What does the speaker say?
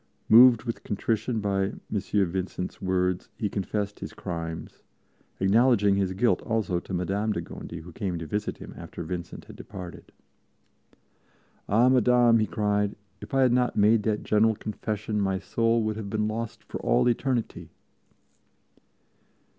Moved with contrition by M. Vincent's words, he confessed his crimes, acknowledging his guilt also to Madame de Gondi, who came to visit him after Vincent had departed. "Ah Madame," he cried, "if I had not made that General Confession my soul would have been lost for all eternity!"